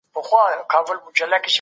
دوی د نېکمرغۍ لار لټوله.